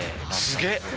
すげえ！